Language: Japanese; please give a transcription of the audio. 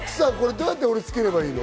どうやってつければいいの？